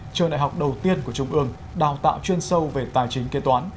trường đại học đầu tiên của trung ương đào tạo chuyên sâu về tài chính kế toán